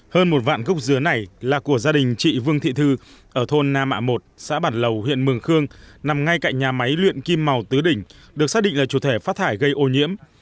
hơn một vạn gốc dứa này là của gia đình chị vương thị thư ở thôn na mạ một xã bản lầu huyện mường khương nằm ngay cạnh nhà máy luyện kim màu tứ đỉnh được xác định là chủ thể phát thải gây ô nhiễm